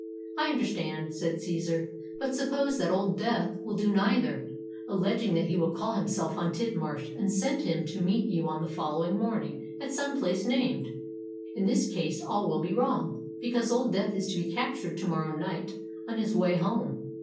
"I understand," said Cæsar. "But suppose that Old Death will do neither, alleging that he will call himself on Tidmarsh and send him to meet you on the following morning at some place named? In this case all will be wrong, because Old Death is to be captured to morrow night on his way home.